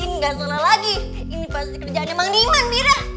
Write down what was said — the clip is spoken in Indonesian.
ini gak senang lagi ini pasti kerjaan emang diman bira